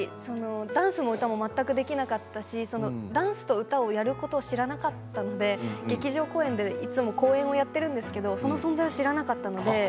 ダンスも歌も全くできなかったしダンスと歌をやることを知らなかったので劇場公演でやっているんですけれどその存在を知らなかったので。